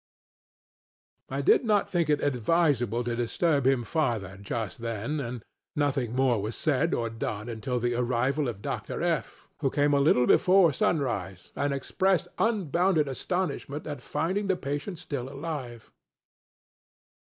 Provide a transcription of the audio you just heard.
ŌĆØ I did not think it advisable to disturb him farther just then, and nothing more was said or done until the arrival of Dr. FŌĆöŌĆö, who came a little before sunrise, and expressed unbounded astonishment at finding the patient still alive.